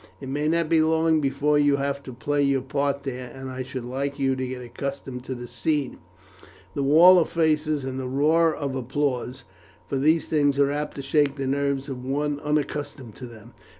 It may not be long before you have to play your part there, and I should like you to get accustomed to the scene, the wall of faces and the roar of applause, for these things are apt to shake the nerves of one unaccustomed to them."